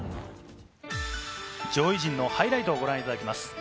上位陣のハイライトをご覧いただきます。